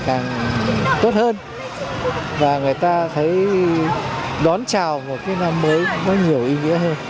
càng tốt hơn và người ta thấy đón chào một cái năm mới nó nhiều ý nghĩa hơn